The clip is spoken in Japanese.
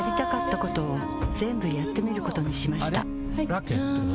ラケットは？